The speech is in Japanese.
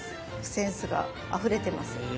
センスがあふれてます。